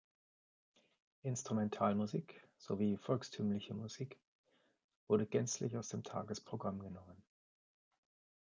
Instrumentalmusik sowie Volkstümliche Musik wurde gänzlich aus dem Tagesprogramm genommen.